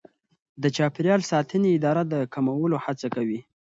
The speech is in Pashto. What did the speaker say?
د چاپیریال ساتنې اداره د کمولو هڅه کوي.